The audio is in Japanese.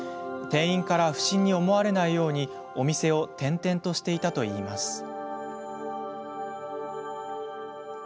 店員から不審に思われないようお店を転々としていたといいます。